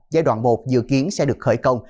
giai đoạn một dự kiến sẽ được khởi công